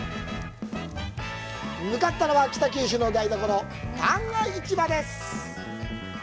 向かったのは北九州の台所、旦過市場です。